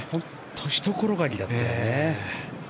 ひと転がりだったよね。